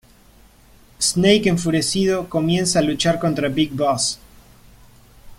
Snake, enfurecido, comienza a luchar contra Big Boss.